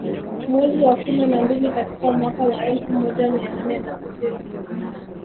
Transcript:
Mwezi wa kumi na mbili katika mwaka wa elfu moja mia nane na sitini